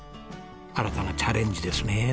新たなチャレンジですね。